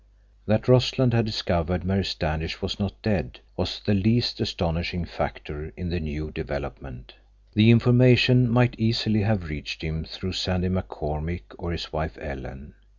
That Rossland had discovered Mary Standish was not dead was the least astonishing factor in the new development. The information might easily have reached him through Sandy McCormick or his wife Ellen.